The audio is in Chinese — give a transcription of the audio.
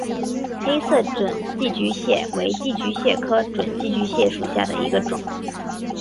红色准寄居蟹为寄居蟹科准寄居蟹属下的一个种。